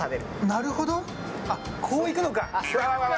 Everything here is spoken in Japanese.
なるほど、こういくのか。